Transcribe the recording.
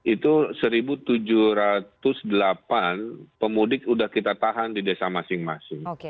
itu satu tujuh ratus delapan pemudik sudah kita tahan di desa masing masing